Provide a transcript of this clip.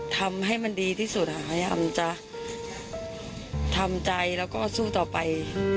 ทำให้มันดีที่สุดค่ะพยายามจะทำใจแล้วก็สู้ต่อไป